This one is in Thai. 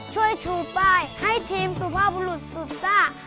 ช่วยชูป้ายให้ทีมสุภาพลุศสุดสร้าง